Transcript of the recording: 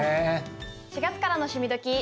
４月からの「趣味どきっ！」。